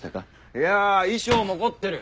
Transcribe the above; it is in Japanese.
いや衣装も凝ってる。